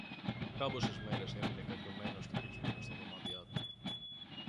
Κάμποσες μέρες έμεινε κακιωμένος και κλεισμένος στα δωμάτιά του.